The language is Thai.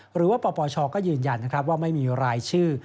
หรือว่าปปชก็ยืนยันนะครับว่าไม่มีรายชื่อ